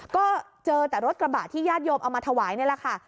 ก็เจอแต่รถกระบะที่ญาติโยมเอามาถวายนี่แหละค่ะ